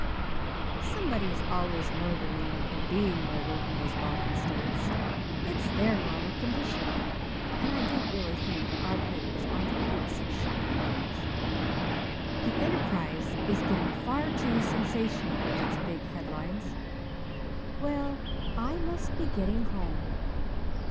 "Somebody is always murdering or being murdered in those Balkan States. It's their normal condition and I don't really think that our papers ought to print such shocking things. The Enterprise is getting far too sensational with its big headlines. Well, I must be getting home.